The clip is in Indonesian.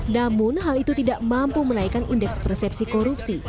namun hal itu tidak mampu menaikkan indeks persepsi korupsi